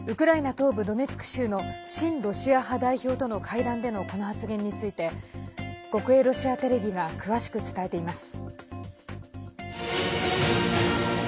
東部ドネツク州の親ロシア派代表との会談でのこの発言について国営ロシアテレビが詳しく伝えています。